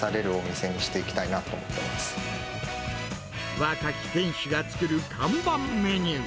若き店主が作る看板メニュー。